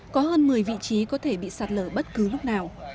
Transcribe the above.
có hơn một mươi vị trí có thể bị sạt lở bất cứ lúc nào